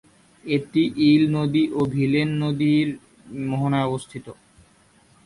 এটি ইল নদী ও ভিলেন নদীর মোহনায় অবস্থিত।